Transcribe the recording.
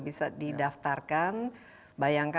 mmm mungkin mungkin harusnyaan juga